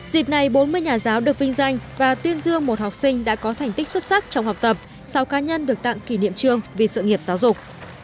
dịp này bốn mươi nhà giáo được vinh danh và tuyên dương một học sinh đã có thành tích xuất sắc trong học tập sau cá nhân được tặng kỷ niệm trương vì sự nghiệp giáo dục